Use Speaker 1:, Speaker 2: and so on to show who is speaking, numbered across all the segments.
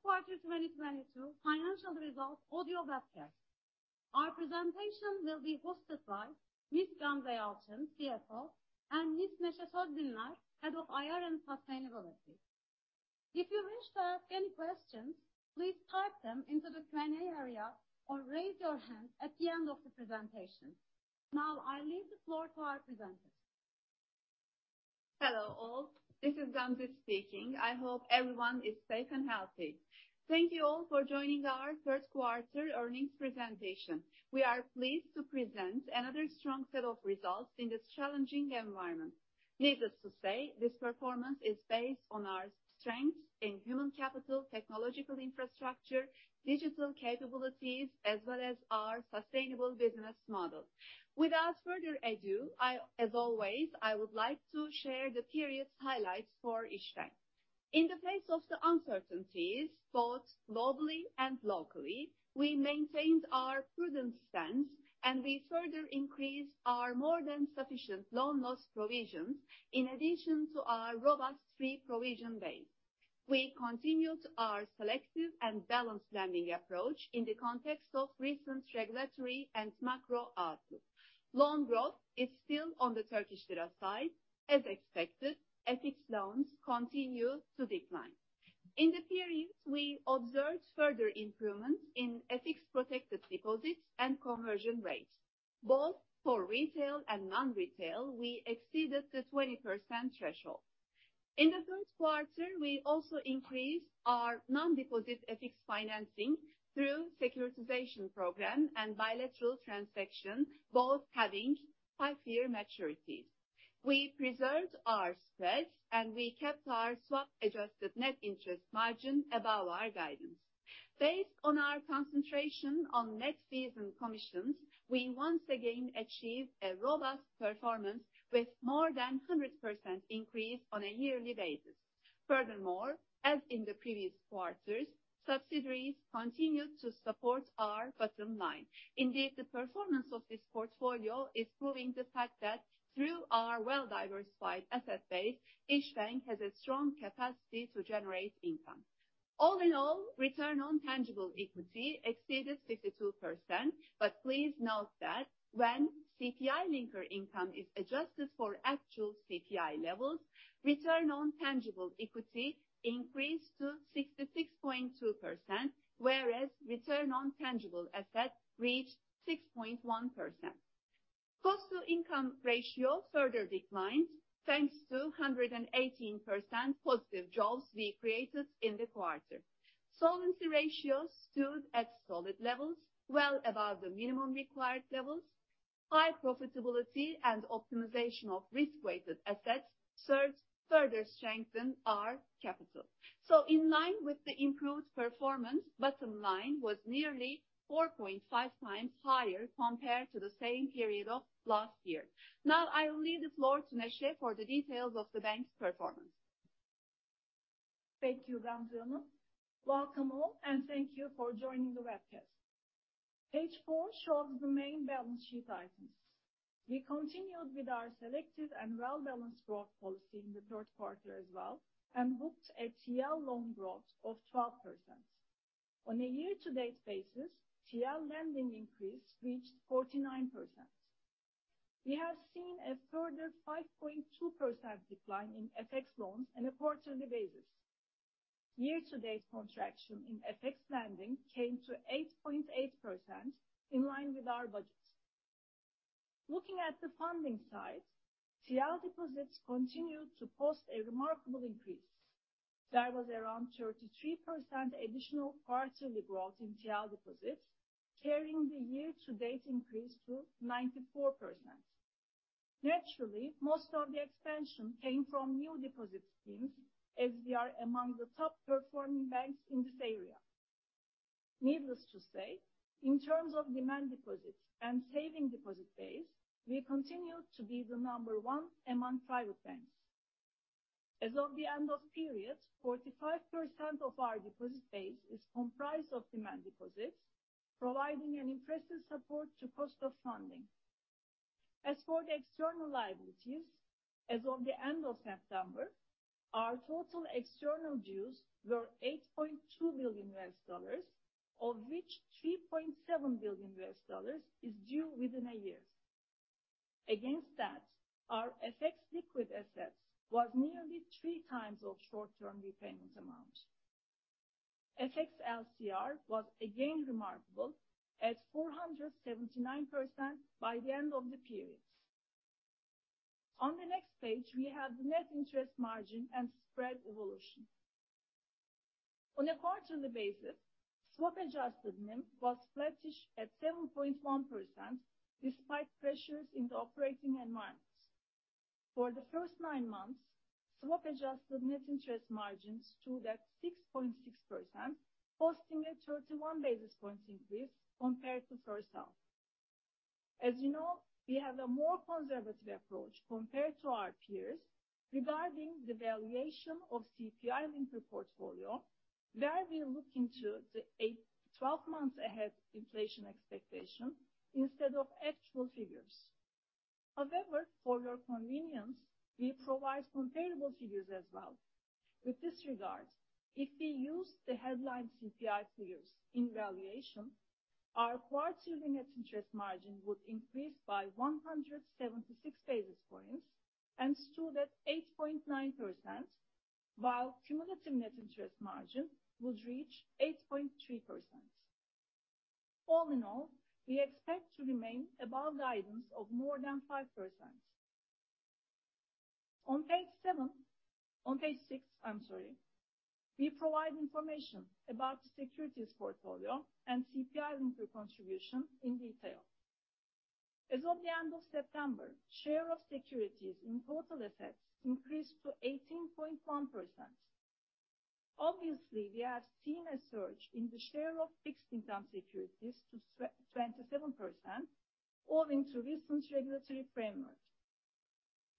Speaker 1: Welcome to Işbank's Q3 2022 Financial Results Audio Webcast. Our presentation will be hosted by Ms. Gamze Altın, CFO, and Ms. Nilgün Yosef Osman, Head of IR and Sustainability. If you wish to ask any questions, please type them into the Q&A area or raise your hand at the end of the presentation. Now I leave the floor to our presenters.
Speaker 2: Hello all. This is Gamze Altın speaking. I hope everyone is safe and healthy. Thank you all for joining our Q3 earnings presentation. We are pleased to present another strong set of results in this challenging environment. Needless to say, this performance is based on our strength in human capital, technological infrastructure, digital capabilities, as well as our sustainable business model. Without further ado, I, as always, would like to share the period's highlights for Işbank. In the face of the uncertainties, both globally and locally, we maintained our prudent stance, and we further increased our more than sufficient loan loss provisions in addition to our robust free provision base. We continued our selective and balanced lending approach in the context of recent regulatory and macro outlook. Loan growth is still on the Turkish lira side. As expected, FX loans continued to decline. In the period, we observed further improvements in FX-protected deposits and conversion rates. Both for retail and non-retail, we exceeded the 20% threshold. In the Q3, we also increased our non-deposit FX financing through securitization program and bilateral transaction, both having high tier maturities. We preserved our spread, and we kept our swap-adjusted net interest margin above our guidance. Based on our concentration on net fees and commissions, we once again achieved a robust performance with more than 100% increase on a yearly basis. Furthermore, as in the previous quarters, subsidiaries continued to support our bottom line. Indeed, the performance of this portfolio is proving the fact that through our well-diversified asset base, Işbank has a strong capacity to generate income. All in all, return on tangible equity exceeded 52%. Please note that when CPI linker income is adjusted for actual CPI levels, return on tangible equity increased to 66.2%, whereas return on tangible assets reached 6.1%. Cost-to-income ratio further declined thanks to 118% positive jaws we created in the quarter. Solvency ratios stood at solid levels, well above the minimum required levels. High profitability and optimization of risk-weighted assets served to further strengthen our capital. In line with the improved performance, bottom line was nearly 4.5 times higher compared to the same period of last year. Now I will leave the floor to Nilgün Yosef Osman for the details of the bank's performance.
Speaker 3: Thank you, Gamze. Welcome all, and thank you for joining the webcast. Page 4 shows the main balance sheet items. We continued with our selective and well-balanced growth policy in the Q3 as well and booked a TL loan growth of 12%. On a year-to-date basis, TL lending increase reached 49%. We have seen a further 5.2% decline in FX loans on a quarterly basis. Year-to-date contraction in FX lending came to 8.8% in line with our budget. Looking at the funding side, TL deposits continued to post a remarkable increase. There was around 33% additional quarterly growth in TL deposits, carrying the year-to-date increase to 94%. Naturally, most of the expansion came from new deposit schemes, as we are among the top performing banks in this area. Needless to say, in terms of demand deposits and savings deposit base, we continue to be the number one among private banks. As of the end of period, 45% of our deposit base is comprised of demand deposits, providing an impressive support to cost of funding. As for the external liabilities, as of the end of September, our total external dues were $8.2 billion, of which $3.7 billion is due within a year. Against that, our FX liquid assets was nearly three times of short-term repayments amount. FX LCR was again remarkable at 479% by the end of the period. On the next page, we have the net interest margin and spread evolution. On a quarterly basis, swap-adjusted NIM was flattish at 7.1% despite pressures in the operating environment. For the 1st nine months, swap-adjusted net interest margins stood at 6.6%, posting a 31 basis points increase compared to 1st half. As you know, we have a more conservative approach compared to our peers regarding the valuation of CPI-linked portfolio, where we look into the eight, 12 months ahead inflation expectation instead of actual figures. However, for your convenience, we provide comparable figures as well. In this regard, if we use the headline CPI figures in valuation, our core net interest margin would increase by 176 basis points and stood at 8.9%, while cumulative net interest margin would reach 8.3%. All in all, we expect to remain above guidance of more than 5%. On page six, I'm sorry. We provide information about the securities portfolio and CPI link contribution in detail. As of the end of September, share of securities in total assets increased to 18.1%. Obviously, we have seen a surge in the share of fixed income securities to 27% owing to recent regulatory framework.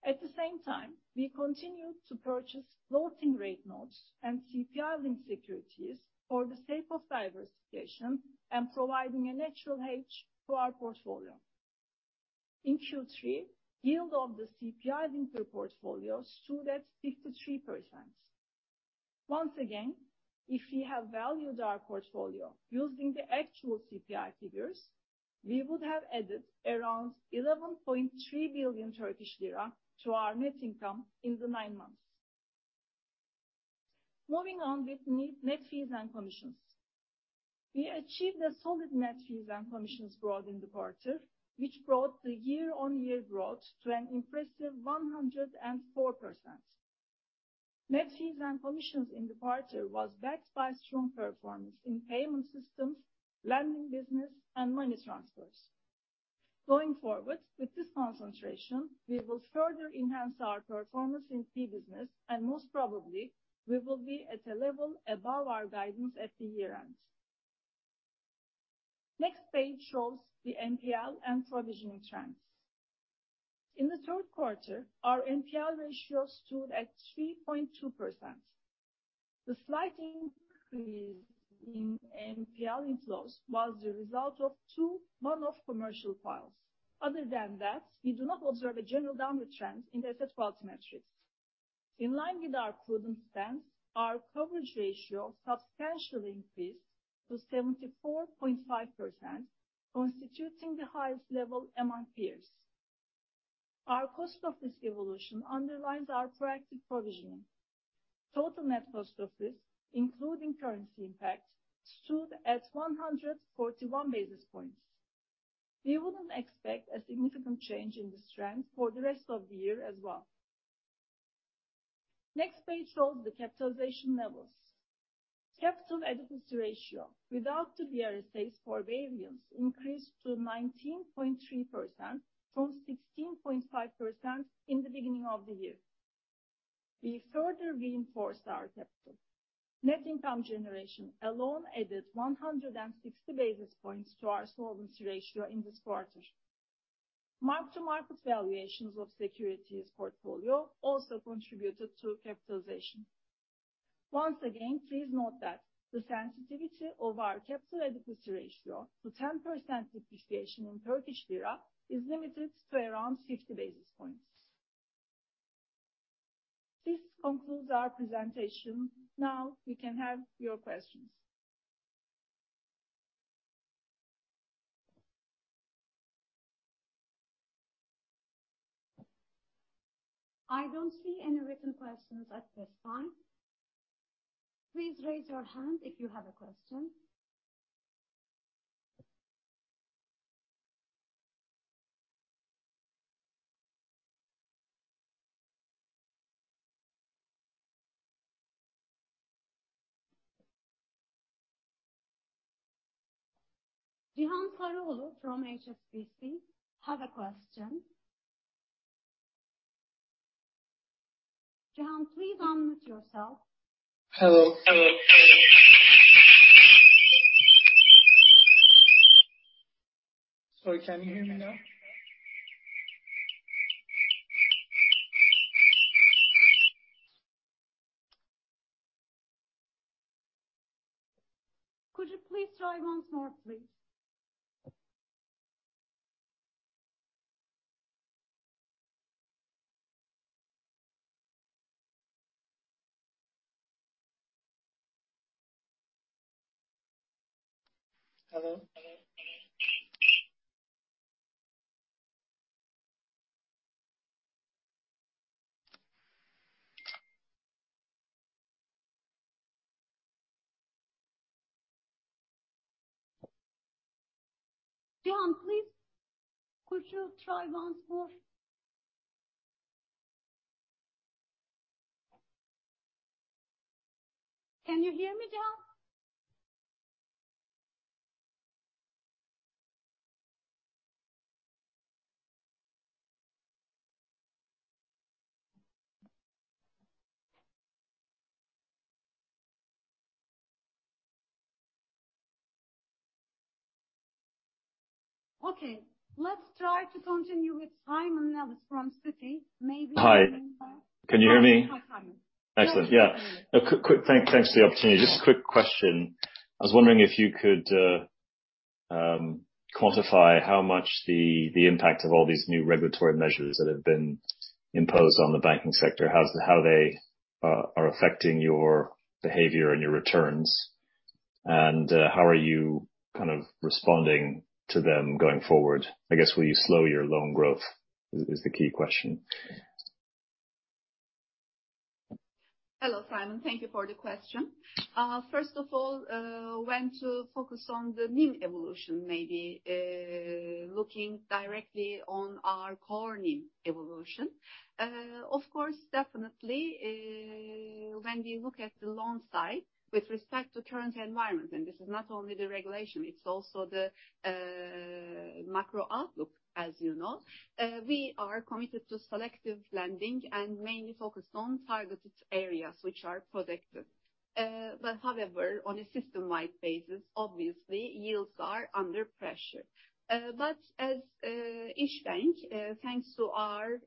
Speaker 3: At the same time, we continued to purchase floating rate notes and CPI-linked securities for the sake of diversification and providing a natural hedge to our portfolio. In Q3, yield of the CPI-linked portfolio stood at 53%. Once again, if we have valued our portfolio using the actual CPI figures, we would have added around TL 11.3 billion to our net income in the nine months. Moving on with net fees and commissions. We achieved a solid net fees and commissions growth in the quarter, which brought the year-on-year growth to an impressive 104%. Net fees and commissions in the quarter was backed by strong performance in payment systems, lending business and money transfers. Going forward, with this concentration, we will further enhance our performance in fee business and most probably we will be at a level above our guidance at the year-end. Next page shows the NPL and provisioning trends. In the Q3, our NPL ratio stood at 3.2%. The slight increase in NPL inflows was the result of two one-off commercial files. Other than that, we do not observe a general downward trend in the asset quality metrics. In line with our prudent stance, our coverage ratio substantially increased to 74.5%, constituting the highest level among peers. Our cost of risk evolution underlines our proactive provisioning. Total net cost of risk, including currency impact, stood at 141 basis points. We wouldn't expect a significant change in this trend for the rest of the year as well. Next page shows the capitalization levels. Capital adequacy ratio without the BRSA forbearance increased to 19.3% from 16.5% in the beginning of the year. We further reinforced our capital. Net income generation alone added 160 basis points to our solvency ratio in this quarter. Mark-to-market valuations of securities portfolio also contributed to capitalization. Once again, please note that the sensitivity of our capital adequacy ratio to 10% depreciation in Turkish lira is limited to around 50 basis points. This concludes our presentation. Now we can have your questions. I don't see any written questions at this time. Please raise your hand if you have a question. Cihan Saraoglu from HSBC have a question. Cihan, please unmute yourself.
Speaker 4: Hello? Sorry, can you hear me now?
Speaker 3: Could you please try once more, please?
Speaker 4: Hello?
Speaker 3: Cihan, please. Could you try once more? Can you hear me, Cihan? Okay, let's try to continue with Simon Nellis from Citi.
Speaker 5: Hi. Can you hear me? Excellent. Yeah. A quick thanks for the opportunity. Just a quick question. I was wondering if you could quantify how much the impact of all these new regulatory measures that have been imposed on the banking sector, how they are affecting your behavior and your returns and how are you kind of responding to them going forward? I guess will you slow your loan growth is the key question.
Speaker 2: Hello, Simon. Thank you for the question. 1st of all, want to focus on the NIM evolution, maybe looking directly at our core NIM evolution. Of course, definitely, when we look at the loan side with respect to the current environment, and this is not only the regulation, it's also the macro outlook, as you know. We are committed to selective lending and mainly focused on targeted areas which are protected. However, on a system-wide basis, obviously yields are under pressure. As Işbank, thanks to our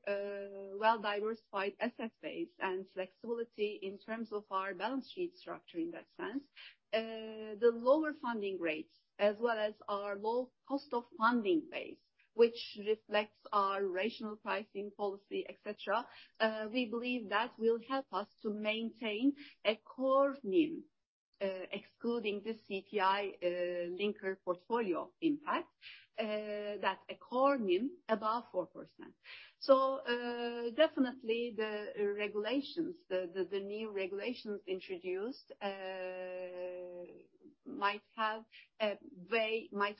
Speaker 2: well-diversified asset base and flexibility in terms of our balance sheet structure in that sense, the lower funding rates as well as our low cost of funding base, which reflects our rational pricing policy, et cetera, we believe that will help us to maintain a core NIM excluding the CPI linker portfolio impact, that a core NIM above 4%. Definitely the new regulations introduced might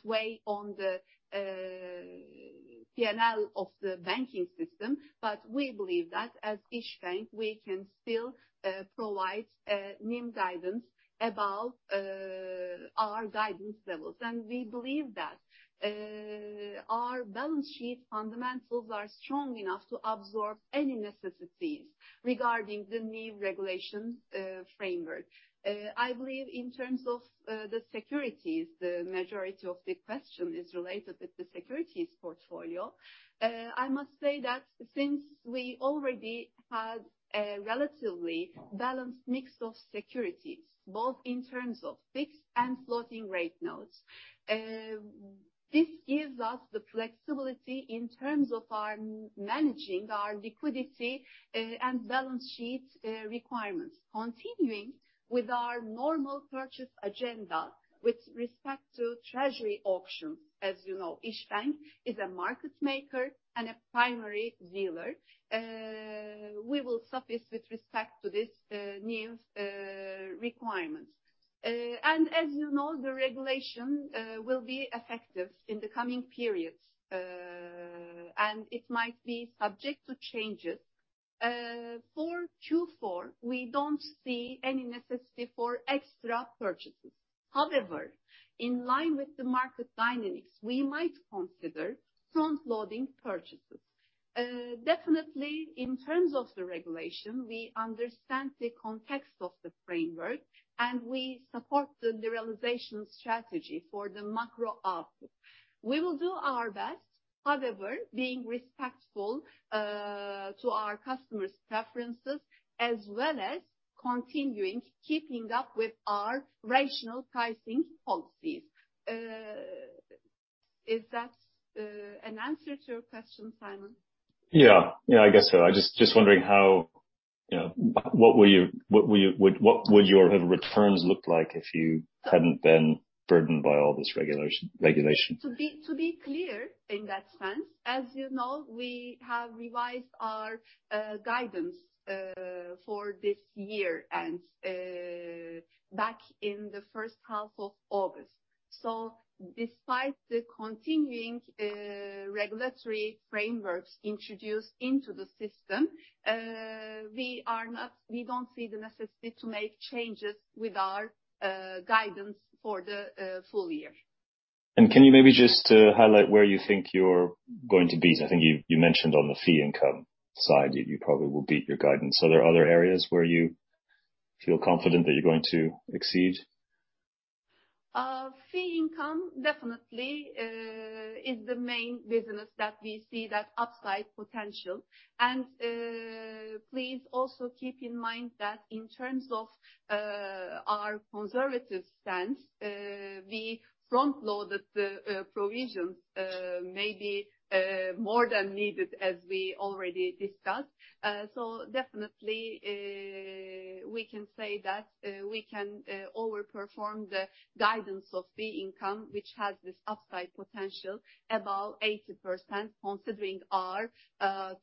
Speaker 2: weigh on the P&L of the banking system. We believe that as Işbank, we can still provide NIM guidance above our guidance levels. We believe that our balance sheet fundamentals are strong enough to absorb any necessities regarding the new regulations framework. I believe in terms of the securities, the majority of the question is related with the securities portfolio. I must say that since we already had a relatively balanced mix of securities, both in terms of fixed and floating rate notes, this gives us the flexibility in terms of our managing our liquidity and balance sheet requirements. Continuing with our normal purchase agenda with respect to treasury options, as you know, Işbank is a market maker and a primary dealer. We will suffice with respect to this new requirement. As you know, the regulation will be effective in the coming periods and it might be subject to changes. For Q4, we don't see any necessity for extra purchases. However, in line with the market dynamics, we might consider front-loading purchases. Definitely, in terms of the regulation, we understand the context of the framework and we support the lira-ization strategy for the macro output. We will do our best, however, being respectful to our customers' preferences as well as continuing keeping up with our rational pricing policies. Is that an answer to your question, Simon?
Speaker 5: Yeah. Yeah, I guess so. I just wondering how, you know, what would your returns look like if you hadn't been burdened by all this regulation?
Speaker 2: To be clear in that sense, as you know, we have revised our guidance for this year and back in the 1st half of August. Despite the continuing regulatory frameworks introduced into the system, we don't see the necessity to make changes with our guidance for the full year.
Speaker 5: Can you maybe just highlight where you think you're going to be? I think you mentioned on the fee income side that you probably will beat your guidance. Are there other areas where you feel confident that you're going to exceed?
Speaker 2: Fee income definitely is the main business that we see that upside potential. Please also keep in mind that in terms of our conservative stance, we front-loaded the provisions maybe more than needed as we already discussed. Definitely we can say that we can overperform the guidance of fee income, which has this upside potential about 80% considering our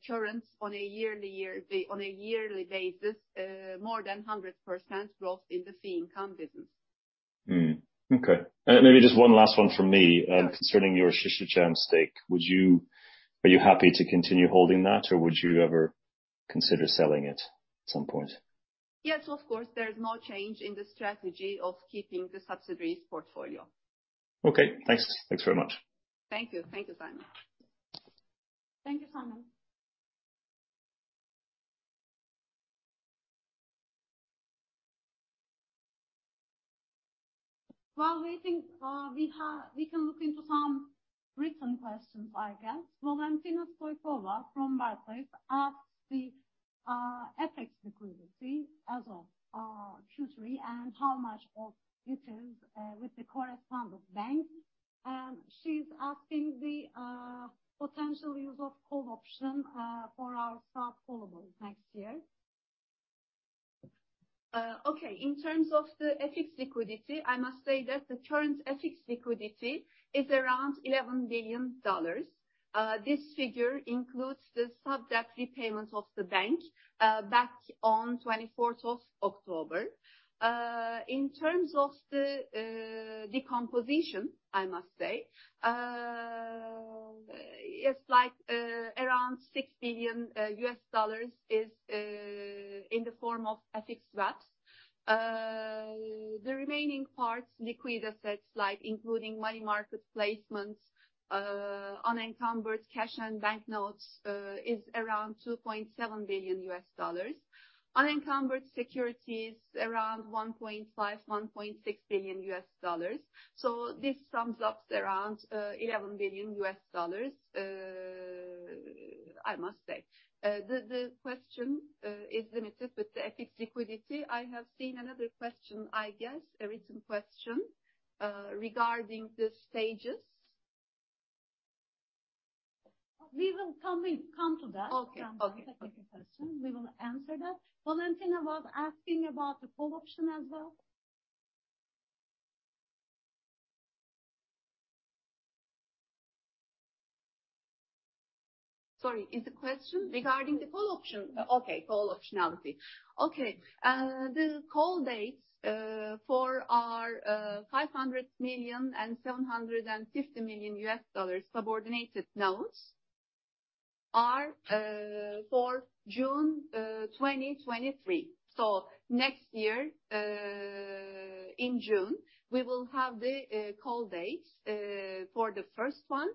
Speaker 2: current on a yearly basis more than 100% growth in the fee income business.
Speaker 5: Maybe just one last one from me, concerning your Şişecam stake. Are you happy to continue holding that or would you ever consider selling it at some point?
Speaker 2: Yes, of course. There is no change in the strategy of keeping the subsidiaries portfolio.
Speaker 5: Okay. Thanks. Thanks very much.
Speaker 2: Thank you. Thank you, Simon.
Speaker 3: Thank you, Simon.
Speaker 2: While we think, we can look into some written questions, I guess. Valentina Soykova from Barclays asks the FX liquidity as of Q3, and how much of it is with the correspondent banks. She's asking the potential use of call option for our next year. Okay. In terms of the FX liquidity, I must say that the current FX liquidity is around $11 billion. This figure includes the sub-debt repayment of the bank back on October 24th. In terms of the decomposition, I must say, it's like around $6 billion is in the form of FX swaps. The remaining parts, liquid assets like including money market placements, unencumbered cash and banknotes, is around $2.7 billion. Unencumbered securities around $1.5-$1.6 billion. This sums up around $11 billion, I must say. The question is limited with the FX liquidity. I have seen another question, I guess, a written question regarding the stages.
Speaker 3: We will come to that.
Speaker 2: Okay. Okay.
Speaker 3: The second question, we will answer that. Valentina was asking about the call option as well.
Speaker 2: Sorry, is the question regarding the call option? Okay, call optionality. Okay. The call dates for our $500 million and $750 million subordinated notes are for June 2023. Next year in June, we will have the call dates for the 1st one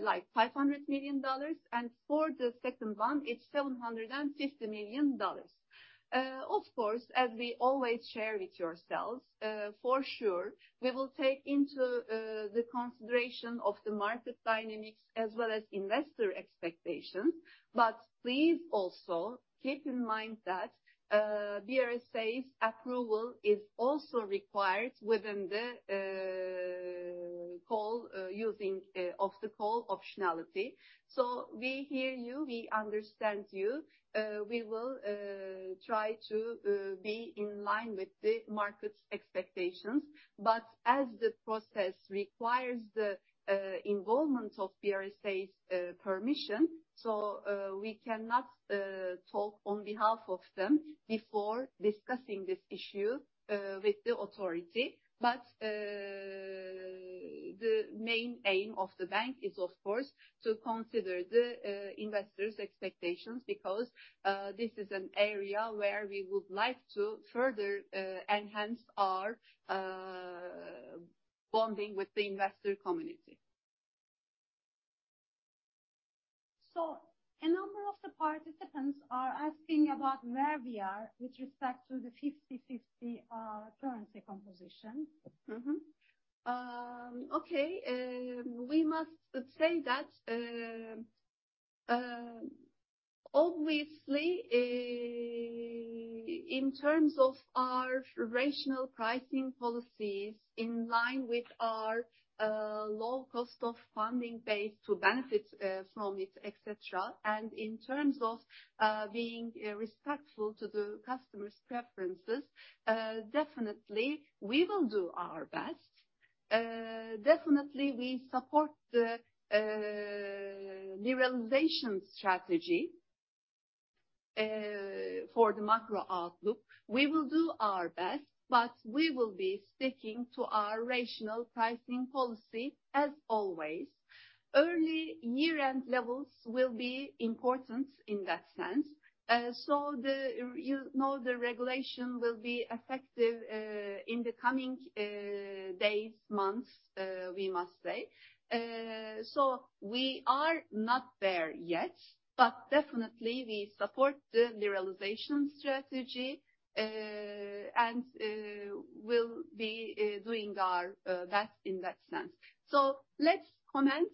Speaker 2: like $500 million, and for the 2nd one it's $750 million. Of course, as we always share with yourselves, for sure, we will take into consideration the market dynamics as well as investor expectations. Please also keep in mind that BRSA's approval is also required within the use of the call optionality. We hear you. We understand you. We will try to be in line with the market's expectations. But as the process requires the involvement of BRSA's permission, so we cannot talk on behalf of them before discussing this issue with the authority. The main aim of the bank is of course to consider the investors' expectations because this is an area where we would like to further enhance our bonding with the investor community.
Speaker 3: A number of the participants are asking about where we are with respect to the 50/50 currency composition.
Speaker 2: Okay. We must say that, obviously, in terms of our rational pricing policies in line with our low cost of funding base to benefit SMEs, et cetera, and in terms of being respectful to the customers' preferences, definitely we will do our best. Definitely we support the liberalization strategy for the macro outlook. We will do our best, but we will be sticking to our rational pricing policy as always. Early year-end levels will be important in that sense. The regulation, you know, will be effective in the coming days, months, we must say. We are not there yet, but definitely we support the liberalization strategy, and we'll be doing our best in that sense. Let's comment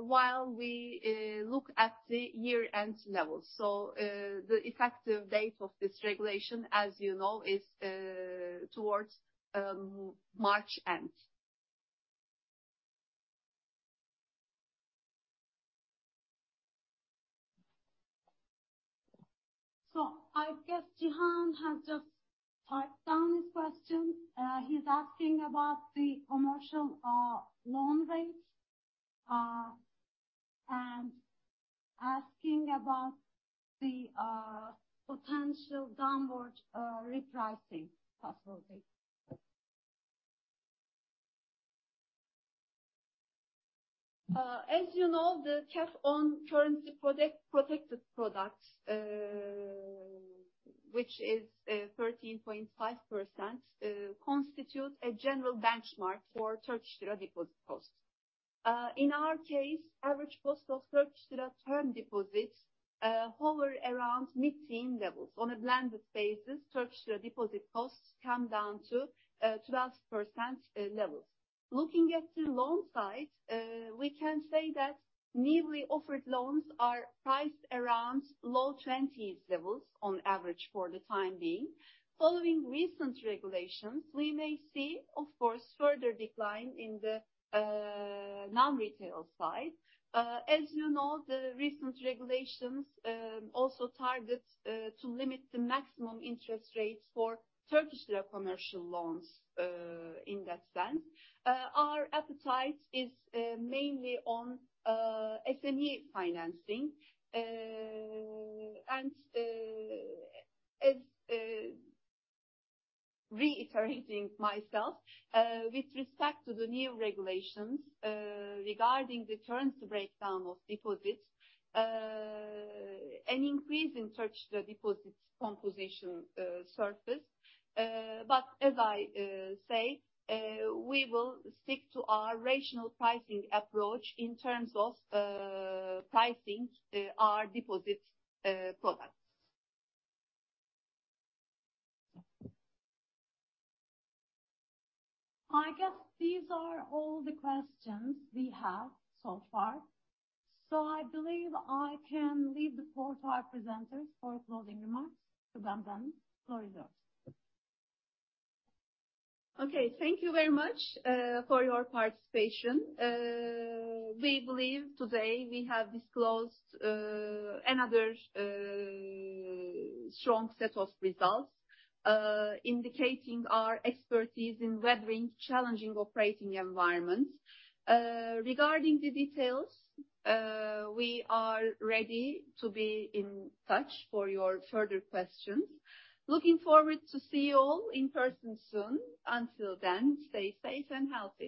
Speaker 2: while we look at the year-end levels. The effective date of this regulation, as you know, is towards March end.
Speaker 3: I guess Cihan has just typed down his question. He's asking about the commercial loan rates, and asking about the potential downward repricing possibility.
Speaker 2: As you know, the cap on currency-protected products which is 13.5%, constitutes a general benchmark for Turkish lira deposit costs. In our case, average cost of Turkish lira term deposits hover around mid-teen levels. On a blended basis, Turkish lira deposit costs come down to 12% levels. Looking at the loan side, we can say that newly offered loans are priced around low twenties levels on average for the time being. Following recent regulations, we may see, of course, further decline in the non-retail side. As you know, the recent regulations also target to limit the maximum interest rates for Turkish lira commercial loans, in that sense. Our appetite is mainly on SME financing. As I reiterate myself, with respect to the new regulations regarding the terms breakdown of deposits, an increase in Turkish lira deposits composition has surfaced. As I say, we will stick to our rational pricing approach in terms of pricing our deposit products.
Speaker 3: I guess these are all the questions we have so far, so I believe I can leave the floor to our presenters for closing remarks. Gamze Altın, floor is yours.
Speaker 2: Okay. Thank you very much for your participation. We believe today we have disclosed another strong set of results indicating our expertise in weathering challenging operating environments. Regarding the details, we are ready to be in touch for your further questions. Looking forward to see you all in person soon. Until then, stay safe and healthy.